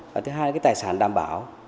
và thứ hai là cái tài sản đảm bảo